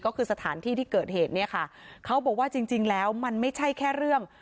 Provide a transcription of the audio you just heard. ก็คือสถานที่ที่เกิดเหตุเนี่ยค่ะเขาบอกว่าจริงจริงแล้วมันไม่ใช่แค่เรื่อง